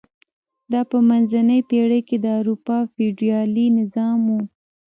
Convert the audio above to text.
دا په منځنۍ پېړۍ کې د اروپا فیوډالي نظام و.